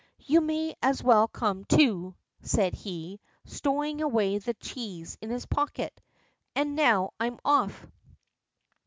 "You may as well come, too," said he, stowing away the cheese in his pocket, "and now I'm off."